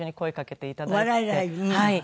はい。